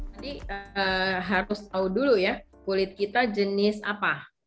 jadi harus tahu dulu ya kulit kita jenis apa